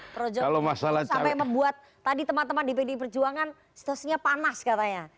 projo sampai membuat tadi teman teman di pdi perjuangan situasinya panas katanya